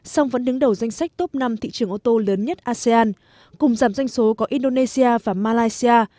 song vẫn đứng đầu danh sách top năm thị trường ô tô lớn nhất asean cùng giảm doanh số có indonesia và malaysia